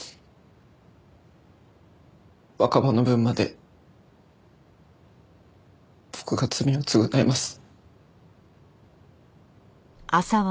若葉の分まで僕が罪を償います。